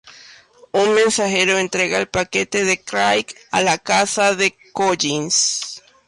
Un mensajero entrega el paquete de Craig a la casa de Collins.